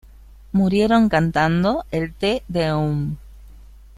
Murieron cantando el Te Deum.